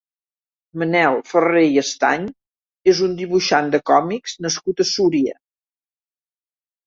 Manel Ferrer i Estany és un dibuixant de còmics nascut a Súria.